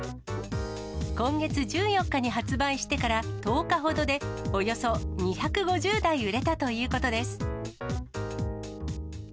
今月１４日に発売してから１０日ほどでおよそ２５０台売れたということです。